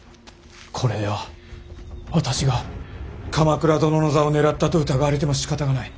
これでは私が鎌倉殿の座を狙ったと疑われてもしかたがない。